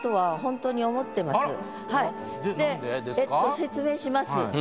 説明します。